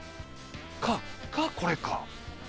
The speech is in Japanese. かこれか。